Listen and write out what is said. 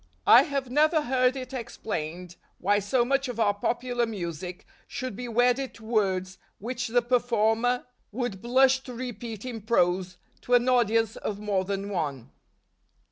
I have never heard it explained why so much of our popular music should be wedded to words which the performer would blush to repeat in prose to an audience of more than one.